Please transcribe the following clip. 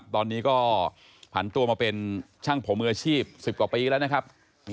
ตอนนี้ก็ผันตัวมาเป็นช่างผมมืออาชีพ๑๐กว่าปีแล้วนะครับ